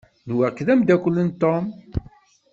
Nwiɣ-k d amdakel n Tom.